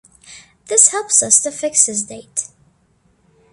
This helps us to fix his date.